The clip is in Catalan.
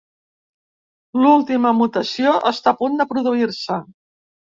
L'última mutació està a punt de produir-se.